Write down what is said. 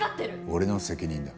俺の責任だ。